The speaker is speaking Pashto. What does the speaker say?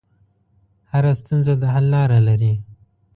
هره ستونزه د حل لاره لري.